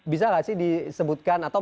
bisa nggak sih disebutkan atau